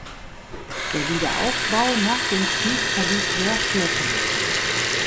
Der Wiederaufbau nach dem Krieg verlief sehr schleppend.